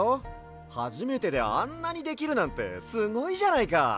はじめてであんなにできるなんてすごいじゃないか！